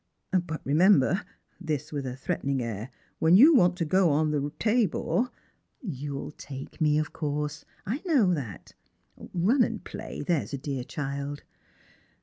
But remember "— this with a threatening air —" when you want to go on the Tabor "" You'll take me, of course. I know that. Run and play, that's a dear child